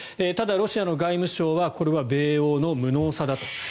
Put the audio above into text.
ただ、ロシアの外務省はこれは米欧の無能さだと。